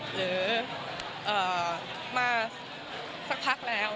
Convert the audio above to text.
หรือมาสักพักแล้ว